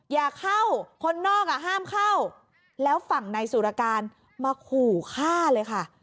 อย่าเข้าคนนอกอ่ะห้ามเข้าแล้วฝั่งนายสุรการมาขู่ฆ่าเลยค่ะ